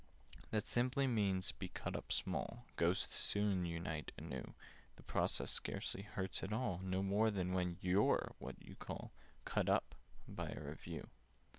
"That simply means 'be cut up small': Ghosts soon unite anew. The process scarcely hurts at all— Not more than when you 're what you call 'Cut up' by a Review.